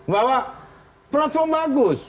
bahwa platform bagus